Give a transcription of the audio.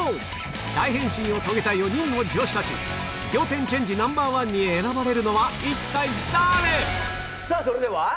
大変身を遂げた４人の女子たち仰天チェンジＮｏ．１に選ばれるのは一体誰⁉さぁそれでは。